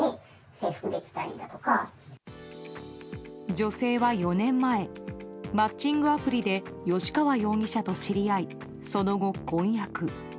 女性は４年前マッチングアプリで吉川容疑者と知り合いその後、婚約。